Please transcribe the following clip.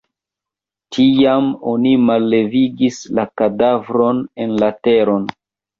Tiam oni mallevigis la kadavron en la teron.